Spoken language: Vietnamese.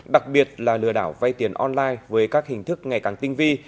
đặc biệt là lừa đảo vay tiền online với các hình thức ngày càng tinh vi